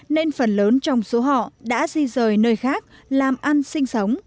nên phần lớn trong số họ đã di rời nơi khác làm ăn sinh sống